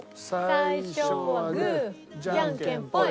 最初はグーじゃんけんぽい。